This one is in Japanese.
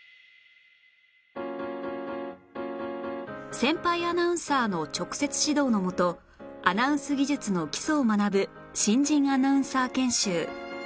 先輩アナウンサーの直接指導のもとアナウンス技術の基礎を学ぶ新人アナウンサー研修